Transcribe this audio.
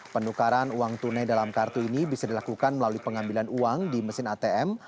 penukaran uang tunai dalam kartu ini bisa dilakukan melalui pengambilan uang di mesin atm